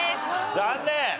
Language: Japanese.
残念。